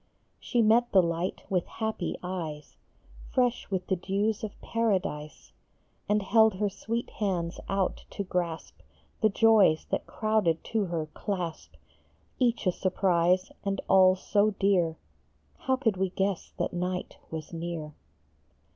She met the light with happy eyes, Fresh with the dews of Paradise, And held her sweet hands out to grasp The joys that crowded to her clasp, Each a surprise, and all so dear : How could we guess that night was near?